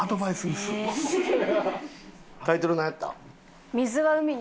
タイトルなんやった？